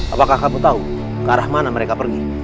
apakah kamu tahu ke arah mana mereka pergi